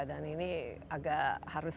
dan ini agak harus